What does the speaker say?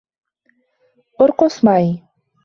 ارقص معي.